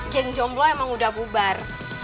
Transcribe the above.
king jomblo emang udah bubar